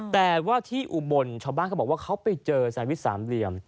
แต่ว่าที่อุบลชาวบ้านเขาบอกว่าเขาไปเจอแซนวิชสามเหลี่ยม